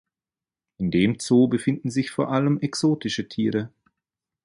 In dem Zoo befinden sich vor allem exotische Tiere.